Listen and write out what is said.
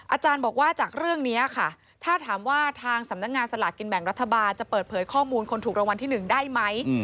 อาจารย์บอกว่าจากเรื่องนี้ค่ะถ้าถามว่าทางสำนักงานสลากกินแบ่งรัฐบาลจะเปิดเผยข้อมูลคนถูกรางวัลที่๑ได้ไหม